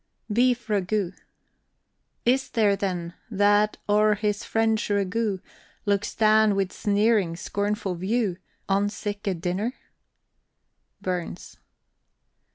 BEEF RAGOUT. Is there, then, that o'er his French ragout, Looks down wi' sneering, scornful view, On sic a dinner? BURNS.